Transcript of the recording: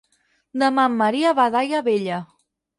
Demà en Maria va a Daia Vella.